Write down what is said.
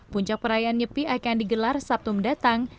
puncak perayaan nyepi akan digelar sabtu mendatang